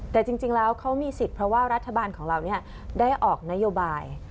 แต่จริงแล้วเขามีสิทธิ์เพราะว่ารัฐบาลของเราได้ออกนโยบาย